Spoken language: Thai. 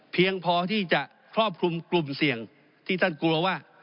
เพียงพอที่จะครอบคลุมกลุ่มเสี่ยงที่ท่านกลัวว่า